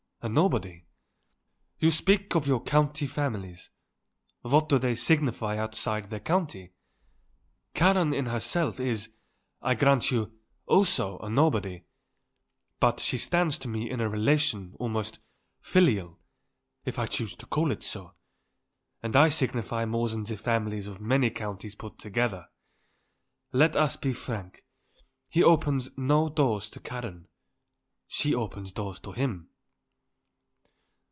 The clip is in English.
A nobody. You speak of your county families; what do they signify outside their county? Karen in herself is, I grant you, also a nobody; but she stands to me in a relation almost filial if I chose to call it so; and I signify more than the families of many counties put together. Let us be frank. He opens no doors to Karen. She opens doors to him."